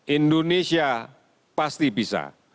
indonesia pasti bisa